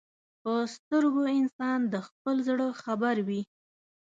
په سترګو انسان د خپل زړه خبر وي